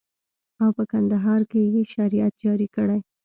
او په کندهار کښې يې شريعت جاري کړى.